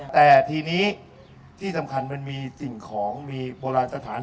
แต่ทีนี้ที่สำคัญมันมีสิ่งของมีโบราณสถาน